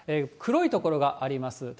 黒い所があります。